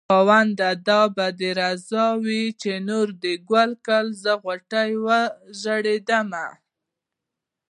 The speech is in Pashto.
خاونده دا به دې رضا وي چې نور دې ګل کړل زه غوټۍ ورژېدمه